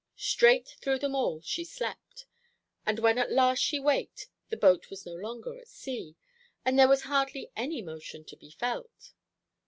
Straight through them all she slept; and when at last she waked, the boat was no longer at sea, and there was hardly any motion to be felt.